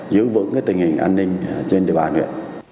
giữ vững tình hình an ninh trên địa bàn huyện